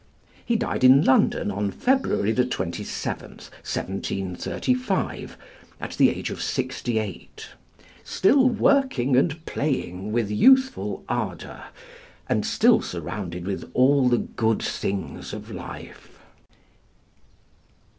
He died in London on February 27th, 1735, at the age of sixty eight, still working and playing with youthful ardor, and still surrounded with all the good things of life.